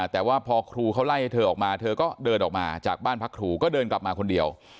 แต่ว่าพอครูเขาไล่ให้เธอออกมาเธอก็เดินออกมาจากบ้านพักครูก็เดินกลับมาคนเดียว